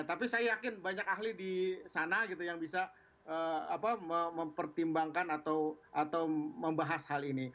tapi saya yakin banyak ahli di sana gitu yang bisa mempertimbangkan atau membahas hal ini